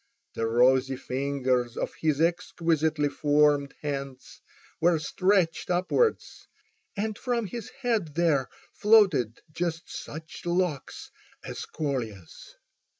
The rosy fingers of his exquisitely formed hands were stretched upwards, and from his head there floated just such locks as Kolya's.